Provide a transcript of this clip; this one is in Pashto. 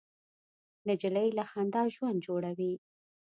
نجلۍ له خندا ژوند جوړوي.